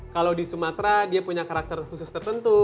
kalau di sumatera dia punya karakter khusus tertentu